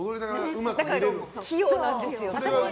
だから器用なんですよ。